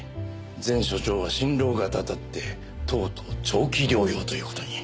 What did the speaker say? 前署長は心労がたたってとうとう長期療養ということに。